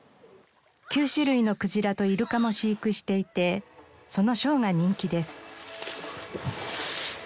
９種類のクジラとイルカも飼育していてそのショーが人気です。